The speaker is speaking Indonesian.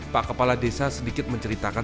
pak kepala desa sedikit menceritakan